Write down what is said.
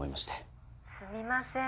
すみません